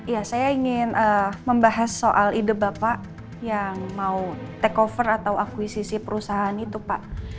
ya saya ingin membahas soal ide bapak yang mau take over atau akuisisi perusahaan itu pak